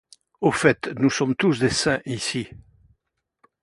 Au fait, nous sommes tous des saints ici.